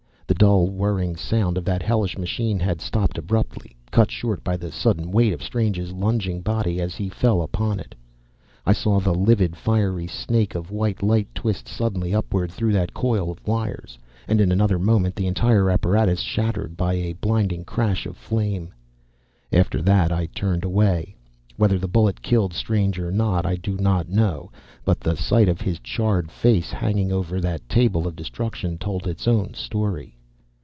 The dull, whirring sound of that hellish machine had stopped abruptly, cut short by the sudden weight of Strange's lunging body as he fell upon it. I saw the livid, fiery snake of white light twist suddenly upward through that coil of wires: and in another moment the entire apparatus shattered by a blinding crash of flame. After that I turned away. Whether the bullet killed Strange or not, I do not know: but the sight of his charred face, hanging over that table of destruction, told its own story.